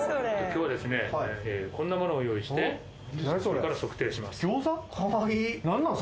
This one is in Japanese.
今日はこんなものを用意してこれから測定します。